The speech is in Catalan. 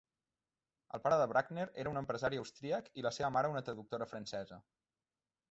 El pare de Bruckner era un empresari austríac i la seva mare una traductora francesa.